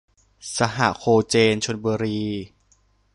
สหโคเจน ชลบุรี